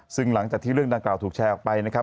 ซึ่งหลังจากที่เรื่องดังกล่าวถูกแชร์ออกไปนะครับ